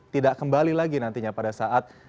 tidak kembali lagi nantinya pada saat